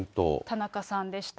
田中さんでした。